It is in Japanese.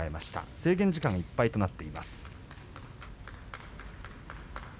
制限時間いっぱいとなっています。